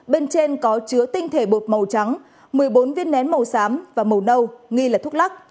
bên trên có chứa tinh thể bột màu trắng một mươi bốn viên nén màu xám và màu nâu nghi là thuốc lắc